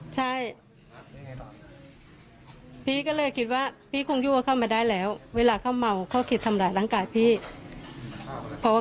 แล้วเขาคิดที่คู่ค้าย้าพี่หนองเขากลัวตลอดว่าเขามีปืน